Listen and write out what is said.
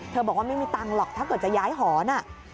บอกว่าไม่มีตังค์หรอกถ้าเกิดจะย้ายหอน